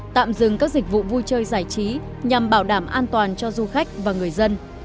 tạm dừng các dịch vụ vui chơi giải trí nhằm bảo đảm an toàn cho du khách và người dân